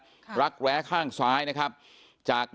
เป็นมีดปลายแหลมยาวประมาณ๑ฟุตนะฮะที่ใช้ก่อเหตุ